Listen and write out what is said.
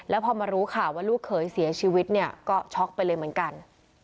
แล้วพอมารู้ข่าวว่าลูกเขยเสียชีวิตเนี่ยก็ช็อกไปเลยเหมือนกัน